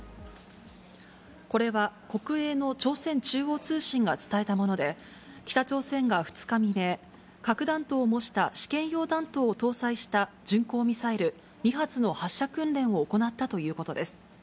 これは国営の朝鮮中央通信が伝えたもので、北朝鮮が２日未明、核弾頭を模した試験用弾頭を搭載した巡航ミサイル２発の発射訓練を行ったということです。